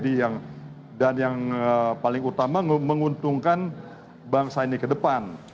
dan yang paling utama menguntungkan bangsa ini ke depan